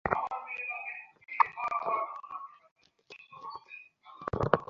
আমাকে তোর হাত ধরতে হয়েছিল।